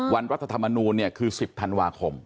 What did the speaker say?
วันวัฒนธรรมนูนี่คือ๑๐ธันวาคม